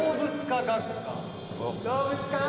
「動物科？」